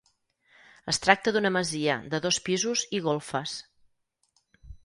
Es tracta d'una masia de dos pisos i golfes.